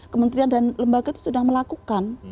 kementerian dan lembaga itu sudah melakukan